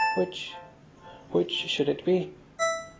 Which, which should it be?